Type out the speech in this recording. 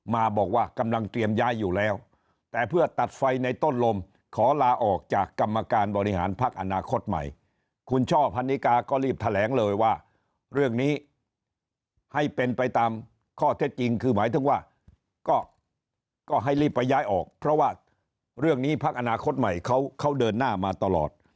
มาบอกว่ากำลังเตรียมย้ายอยู่แล้วแต่เพื่อตัดไฟในต้นลมขอลาออกจากกรรมการบริหารพักอนาคตใหม่คุณช่อพันนิกาก็รีบแถลงเลยว่าเรื่องนี้ให้เป็นไปตามข้อเท็จจริงคือหมายถึงว่าก็ให้รีบไปย้ายออกเพราะว่าเรื่องนี้พักอนาคตใหม่เขาเดินหน้ามาตลอด